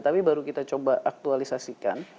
tapi baru kita coba aktualisasikan